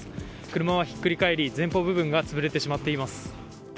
車はひっくり返り前方部分が潰れてしまっています。